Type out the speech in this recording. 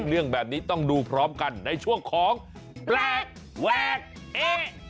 เรื่องแบบนี้ต้องดูพร้อมกันในช่วงของแปลกแวกเอ๊ะ